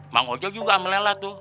mak ojo juga sama nelan tuh